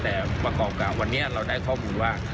แต่ประกอบกับวันนี้เราได้ข้อมูลว่า